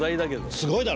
すごいだろ？